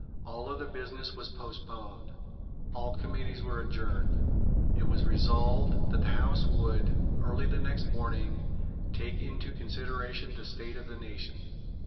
All other business was postponed. All committees were adjourned. It was resolved that the House would, early the next morning, take into consideration the state of the nation.